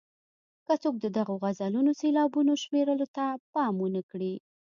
که څوک د دغو غزلونو سېلابونو شمېرلو ته پام ونه کړي.